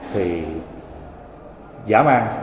thì giả man